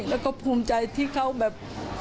แล้วก็ภูมิใจที่เขาแบบ